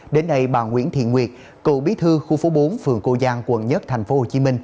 đến nay bà nguyễn thiện nguyệt cựu bí thư khu phố bốn phường cô giang quận một tp hcm